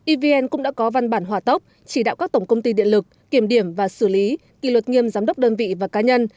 evn cũng đã có văn bản hòa tốc chỉ đạo các tổng công ty điện lực kiểm điểm và xử lý kỳ luật nghiêm giám đốc đơn vị và cá nhân